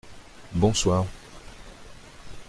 Bonsoir !